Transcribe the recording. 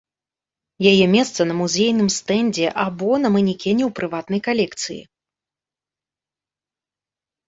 Яе месца на музейным стэндзе або на манекене ў прыватнай калекцыі.